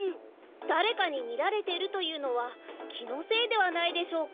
だれかにみられてるというのはきのせいではないでしょうか？